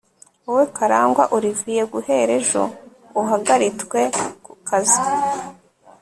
wowe karangwa olivier guhera ejo uhagaritwe kukazi